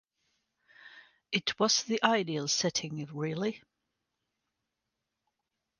It was the ideal setting really.